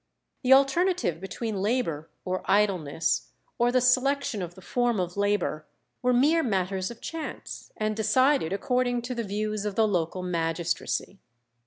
The alternative between labour or idleness, or the selection of the form of labour, were mere matters of chance, and decided according to the views of the local magistracy.